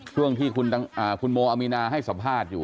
ช่วงที่คุณโมอามีนาให้สัมภาษณ์อยู่